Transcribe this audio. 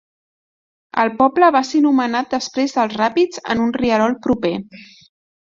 El poble va ser nomenat després dels ràpids en un rierol proper.